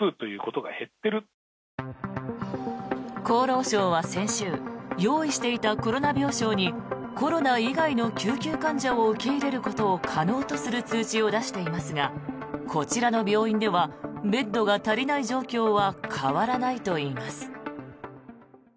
厚労省は先週用意していたコロナ病床にコロナ以外の救急患者を受け入れることを可能とする通知を出していますがこちらの病院ではベッドが足りない状況は変わらないといいます。